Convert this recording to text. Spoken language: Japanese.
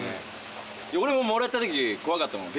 俺ももらったとき怖かったもん。